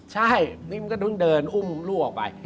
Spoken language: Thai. ใช่มันก็เดินอุ้มลูกออกไป